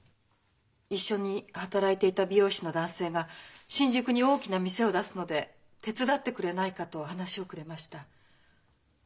一緒に働いていた美容師の男性が「新宿に大きな店を出すので手伝ってくれないか」と話をくれました。